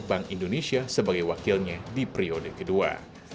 bank indonesia sebagai wakilnya di periode kedua